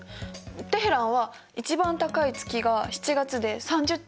テヘランは一番高い月が７月で３０．５度。